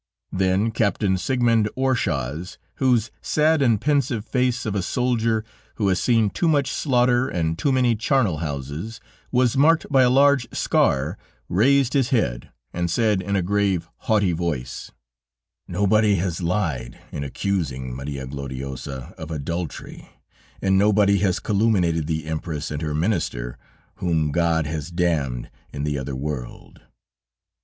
Then Captain Sigmund Oroshaz, whose sad and pensive face of a soldier who has seen too much slaughter and too many charnel houses, was marked by a large scar, raised his head and said in a grave, haughty voice: "Nobody has lied in accusing Maria Gloriosa of adultery, and nobody has calumniated the Empress and her minister, whom God has damned in the other world.